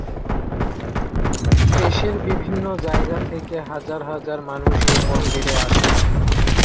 দেশের বিভিন্ন জায়গা থেকে হাজার হাজার মানুষ এই মন্দিরে আসে।